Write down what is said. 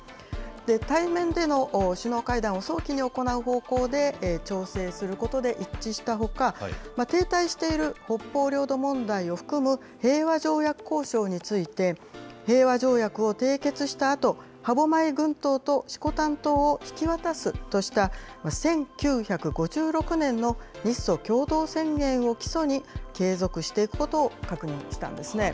対面での首脳会談を早期に行う方向で調整することで一致したほか、停滞している北方領土問題を含む平和条約交渉について、平和条約を締結したあと、歯舞群島と色丹島を引き渡すとした、１９５６年の日ソ共同宣言を基礎に、継続していくことを確認をしたんですね。